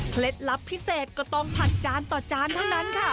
ลับพิเศษก็ต้องผัดจานต่อจานเท่านั้นค่ะ